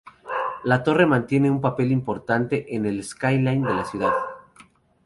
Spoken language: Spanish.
La torre mantiene un papel importante en el skyline de la ciudad.